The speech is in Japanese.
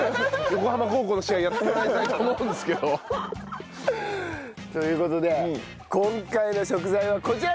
横浜高校の試合やってもらいたいと思うんですけど。という事で今回の食材はこちらです！